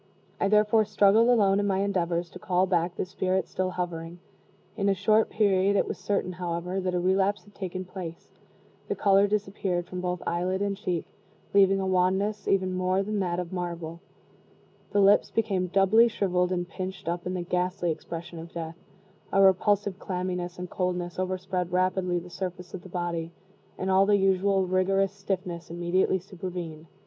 I therefore struggled alone in my endeavors to call back the spirit still hovering. In a short period it was certain, however, that a relapse had taken place; the color disappeared from both eyelid and cheek, leaving a wanness even more than that of marble; the lips became doubly shriveled and pinched up in the ghastly expression of death; a repulsive clamminess and coldness overspread rapidly the surface of the body; and all the usual rigorous stiffness immediately supervened.